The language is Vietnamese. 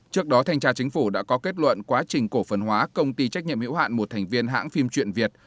trước đó thanh tra chính phủ đã có kết luận quá trình cổ phần hóa công ty trách nhiệm hiểu hạn một thành viên hãng phim truyện việt